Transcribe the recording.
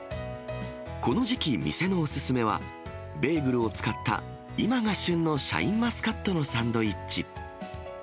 この時期、店のお勧めは、ベーグルを使った、今が旬のシャインマスカットのサンドイッチ。